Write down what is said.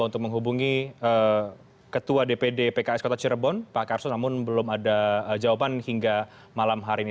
terima kasih sudah jawaban hingga malam hari ini